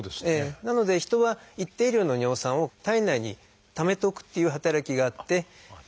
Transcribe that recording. なので人は一定量の尿酸を体内にためとくっていう働きがあって。